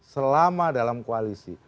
selama dalam koalisi